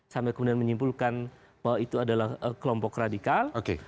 sampai kemudian menyimpulkan bahwa itu adalah kelompok radikal